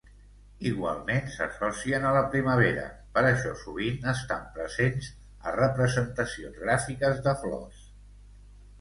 Igualment s'associen a la primavera, per això sovint estan presents a representacions gràfiques de flors.